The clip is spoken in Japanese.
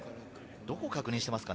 どこを確認していますか？